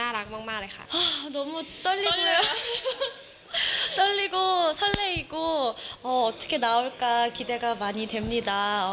หลังจากสนุกการทำตอนนี้